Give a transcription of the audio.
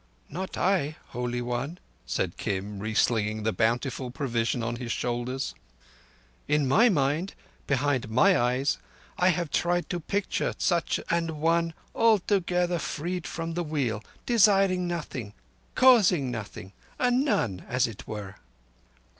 "Not I, Holy One," said Kim, reslinging the bountiful provision on his shoulders. "In my mind—behind my eyes—I have tried to picture such an one altogether freed from the Wheel—desiring nothing, causing nothing—a nun, as it were."